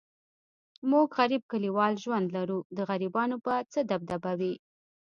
موږ غریب کلیوالي ژوند لرو، د غریبانو به څه دبدبه وي.